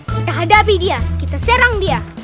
kita hadapi dia kita serang dia